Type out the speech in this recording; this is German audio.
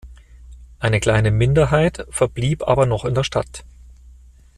Eine kleine Minderheit verblieb aber noch in der Stadt.